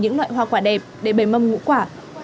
những loại hoa quả đẹp để bày mâm ngũ quả